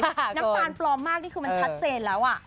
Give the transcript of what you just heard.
น้ำตาลปลอมมากนี่คือมันชัดเจนแล้ว